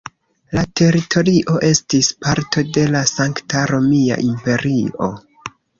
La teritorio estis parto de la Sankta Romia Imperio.